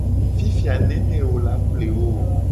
Fifi a nene wo la ple wo o.